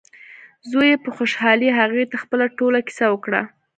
زوی یې په خوشحالۍ هغې ته خپله ټوله کیسه وکړه.